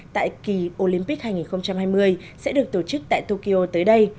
tại kỳ olympic hai nghìn hai mươi sẽ được tổ chức tại tokyo tới đây